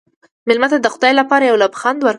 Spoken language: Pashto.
مېلمه ته د خدای لپاره یو لبخند ورکړه.